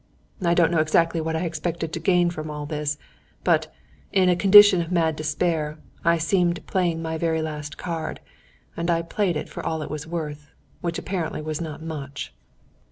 "I don't know exactly what I expected to gain from all this. But, in a condition of mad despair, I seemed playing my very last card; and I played it for all it was worth which apparently was not much!